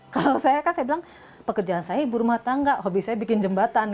kalau saya kan saya bilang pekerjaan saya ibu rumah tangga hobi saya bikin jembatan